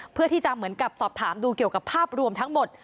เพื่อที่จะเหมือนกับสอบถามดูเกี่ยวกับภาพรวมทั้งหมด